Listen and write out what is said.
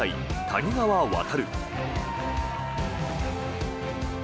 谷川航。